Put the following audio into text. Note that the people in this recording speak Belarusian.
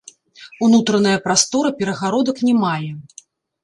Унутраная прастора перагародак не мае.